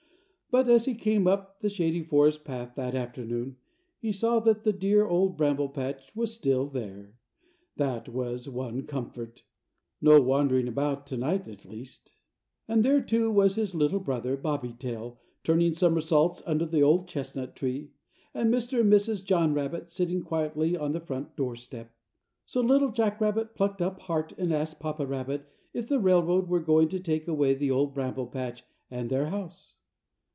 But as he came up the Shady Forest Path that afternoon, he saw that the dear Old Bramble Patch was still there that was one comfort. No wandering about tonight, at least. And there, too, was his little brother, Bobby Tail, turning somersaults under the Old Chestnut Tree, and Mr. and Mrs. John Rabbit sitting quietly on the front doorstep. So Little Jack Rabbit plucked up heart and asked Papa Rabbit if the railroad were going to take away the Old Bramble Patch and their house.